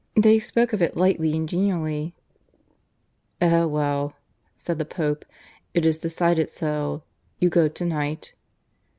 They spoke of it lightly and genially. "Eh well," said the Pope, "it is decided so. You go to night?"